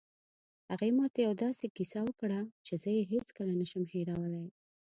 هغې ما ته یوه داسې کیسه وکړه چې زه یې هېڅکله نه شم هیرولی